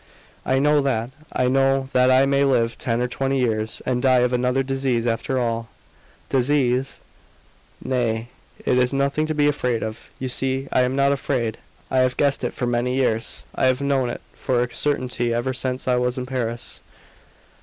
"I know that. I know that I may live ten or twenty years, and die of another disease after all." "Disease!" "Nay it is nothing to be afraid of. You see I am not afraid. I have guessed it for many years. I have known it for a certainty ever since I was in Paris."